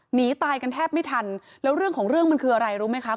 หนีตายกันแทบไม่ทันแล้วเรื่องของเรื่องมันคืออะไรรู้ไหมคะ